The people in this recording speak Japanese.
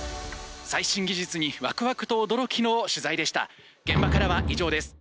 最新技術にワクワクと驚きの取材でした。